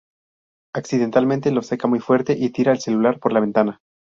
Accidentalmente lo seca muy fuerte y tira el celular por la ventana.